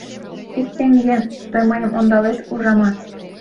Ик теҥге... тый мыйым ондалет, ужамат.